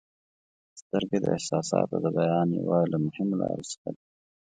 • سترګې د احساساتو د بیان یوه له مهمو لارو څخه دي.